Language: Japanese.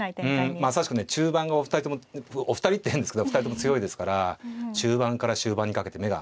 まさしくね中盤がお二人ともお二人って変ですけど二人とも強いですから中盤から終盤にかけて目が離せないですね。